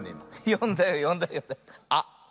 よんだよよんだよよんだよ。あっみて。